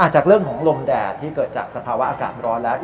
จากเรื่องของลมแดดที่เกิดจากสภาวะอากาศร้อนแล้ว